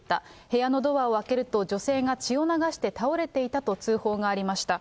部屋のドアを開けると、女性が血を流して倒れていたと通報がありました。